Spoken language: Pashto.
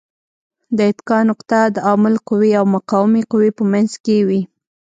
د اتکا نقطه د عامل قوې او مقاومې قوې په منځ کې وي.